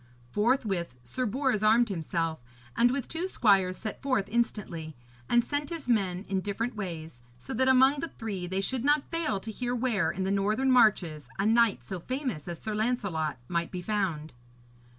Forthwith Sir Bors armed himself, and with two squires set forth instantly; and sent his men in different ways, so that among the three they should not fail to hear where, in the northern marches, a knight so famous as Sir Lancelot might be found.